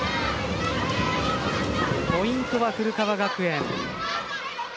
ポイントは古川学園。